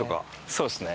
そうですね。